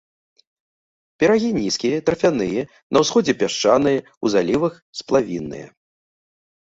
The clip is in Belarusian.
Берагі нізкія, тарфяныя, на ўсходзе пясчаныя, у залівах сплавінныя.